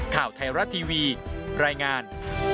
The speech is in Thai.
ข่าวไทราติวีรายงาน